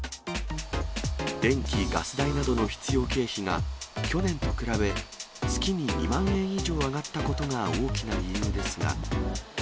電気・ガス代などの必要経費が去年と比べ、月に２万円以上上がったことが大きな理由ですが。